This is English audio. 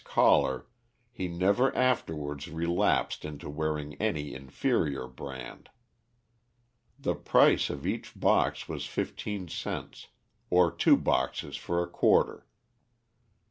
collar he never afterwards relapsed into wearing any inferior brand. The price of each box was fifteen cents, or two boxes for a quarter.